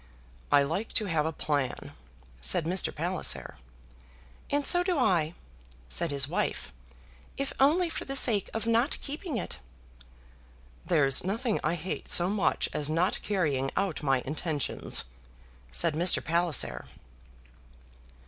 "I like to have a plan," said Mr. Palliser. "And so do I," said his wife, "if only for the sake of not keeping it." "There's nothing I hate so much as not carrying out my intentions," said Mr. Palliser.